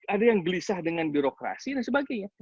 ada yang gelisah dengan birokrasi dan sebagainya